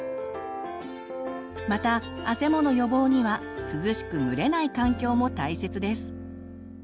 またあせもの予防には涼しく蒸れない環境も大切です。